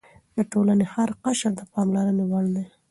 د ټولنې هر قشر د پاملرنې وړ دی.